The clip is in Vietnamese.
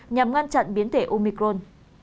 nhằm ngăn chặn biến thể omicron